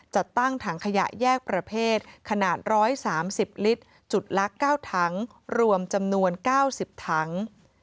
จัดตั้งถังขยะแยกประเภทขนาด๑๓๐ลิตรจุดละ๙ถังรวมจำนวน๙๐ถัง